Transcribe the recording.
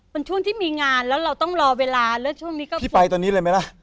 มันช่วงที่มีงานแล้วเราต้องรอเวลาแล้วช่วงนี้ก็พี่ไปตอนนี้เลยไหมล่ะ